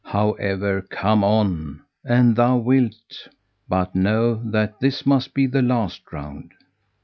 However come on, an thou wilt; but know that this must be the last round."